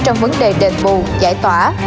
trong vấn đề đền bù giải tỏa